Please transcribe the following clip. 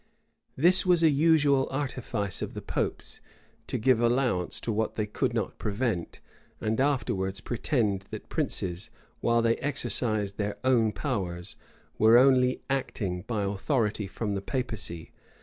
This was a usual artifice of the popes, to give allowance to what they could not prevent,[] and afterwards pretend that princes, while they exercised their own powers, were only acting by authority from the papacy.